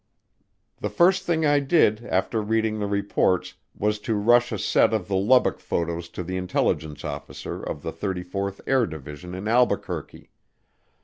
The first thing I did after reading the reports was to rush a set of the Lubbock photos to the intelligence officer of the 34th Air Division in Albuquerque.